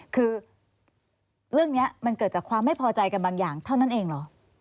คือเรื่องนี้มันเกิดจากความไม่พอใจกันบางอย่างเท่านั้นเองเหรอ